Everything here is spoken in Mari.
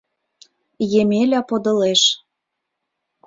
Емеля подылеш.